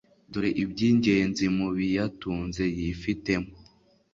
dore ibyingenzi mu biyatunze yifitemo